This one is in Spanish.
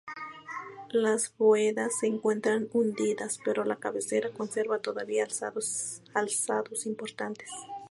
Las bóvedas se encuentran hundidas, pero la cabecera conserva todavía alzados importantes.